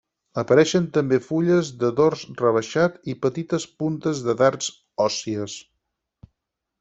Apareixen també fulles de dors rebaixat i petites puntes de dards òssies.